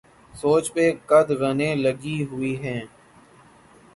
سوچ پہ قدغنیں لگی ہوئی ہیں۔